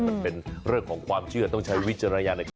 มันเป็นเรื่องของความเชื่อต้องใช้วิจารณญาณในการ